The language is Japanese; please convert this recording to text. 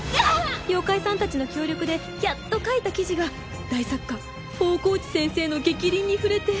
妖怪さんたちの協力でやっと書いた記事が大作家大河内先生の逆鱗に触れて